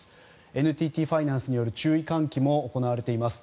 ＮＴＴファイナンスによる注意喚起も行われています。